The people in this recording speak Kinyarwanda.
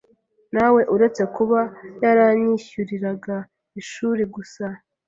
na we uretse kuba yaranyishyuriraga ishuri gusa,